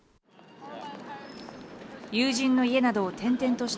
友人の家などを転々とした